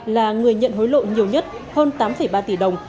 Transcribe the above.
là người nhận hối lộ nhiều nhất hơn tám ba tỷ đồng